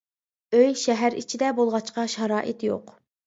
ئۆي شەھەر ئىچىدە بولغاچقا شارائىت يوق.